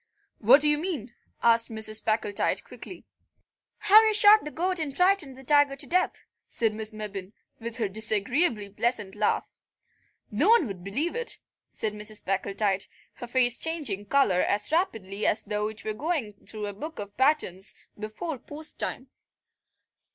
"What do you mean?" asked Mrs. Packletide quickly. "How you shot the goat and frightened the tiger to death," said Miss Mebbin, with her disagreeably pleasant laugh. "No one would believe it," said Mrs. Packletide, her face changing colour as rapidly as though it were going through a book of patterns before post time.